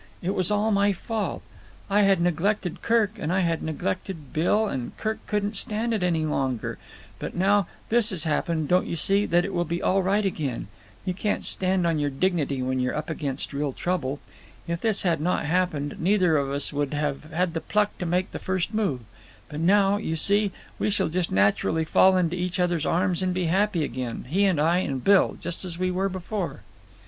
It was all my fault. I had neglected Kirk, and I had neglected Bill, and Kirk couldn't stand it any longer. But now that this has happened, don't you see that it will be all right again? You can't stand on your dignity when you're up against real trouble. If this had not happened, neither of us would have had the pluck to make the first move; but now, you see, we shall just naturally fall into each other's arms and be happy again, he and I and Bill, just as we were before."